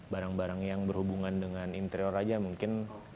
barang barang yang berhubungan dengan interior aja mungkin